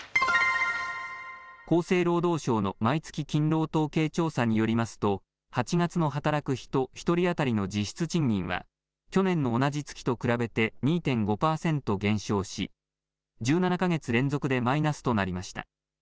厚生労働省の毎月勤労統計調査によりますと８月の働く人１人当たりの実質賃金は去年の同じ月と比べて２．５％減少し１７か月連続でマイナスとなりました。